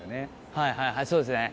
はいはいはいそうですね